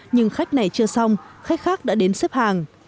nhưng khách này chưa xong khách khác đã đến xếp hàng